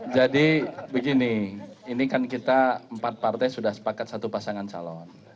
jadi begini ini kan kita empat partai sudah sepakat satu pasangan calon